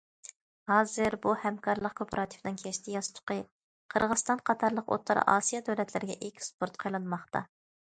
ھازىر بۇ ھەمكارلىق كوپىراتىپىنىڭ« كەشتە ياستۇقى» قىرغىزىستان قاتارلىق ئوتتۇرا ئاسىيا دۆلەتلىرىگە ئېكسپورت قىلىنماقتا.